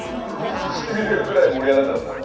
しびれるぐらい盛り上がんなかったな。